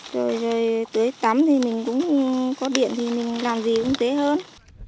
rồi tưới tắm thì mình cũng có điện thì mình làm gì cũng tế hơn